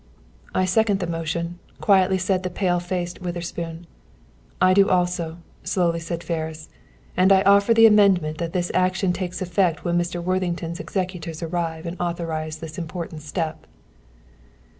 "I second the motion," quietly said the pale faced Witherspoon. "I do also," slowly said Ferris, "and I offer the amendment that this action takes effect when Mr. Worthington's executors arrive and authorize this important step."